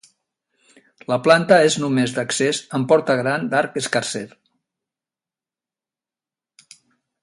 La planta és només d'accés amb porta gran d'arc escarser.